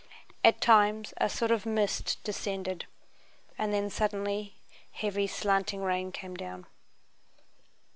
At times a sort of mist descended, and then suddenly heavy slanting rain came down.